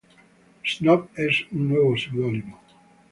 Snob" es un nuevo pseudónimo.